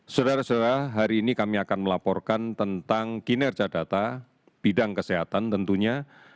saudara saudara hari ini kami akan melaporkan tentang kinerja data bidang kesehatan tentunya